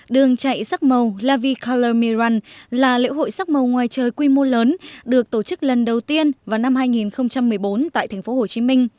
đường chạy sắc màu la vie color miran là lễ hội sắc màu ngoài trời quy mô lớn được tổ chức lần đầu tiên vào năm hai nghìn một mươi bốn tại tp hcm